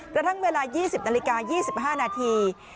กระทั่งเวลา๒๐นาฬิกา๒๕นาที